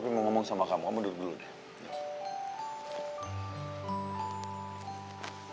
papi mau ngomong sama kamu kamu duduk dulu deh